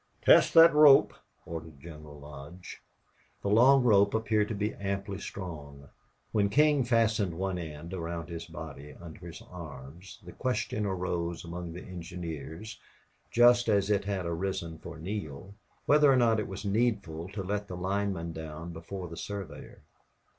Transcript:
"Test that rope," ordered General Lodge. The long rope appeared to be amply strong. When King fastened one end round his body under his arms the question arose among the engineers, just as it had arisen for Neale, whether or not it was needful to let the lineman down before the surveyor.